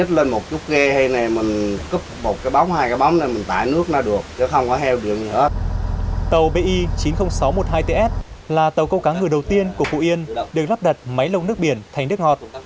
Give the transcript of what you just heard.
tàu bi chín mươi nghìn sáu trăm một mươi hai ts là tàu câu cá ngừ đầu tiên của phú yên được lắp đặt máy lông nước biển thành nước ngọt